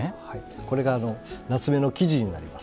これがなつめの木地になります。